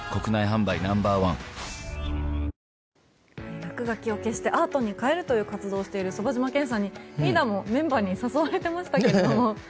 落書きを消してアートに変えるという活動をしている傍嶋賢さんに、リーダーもメンバーに誘われてましたけど。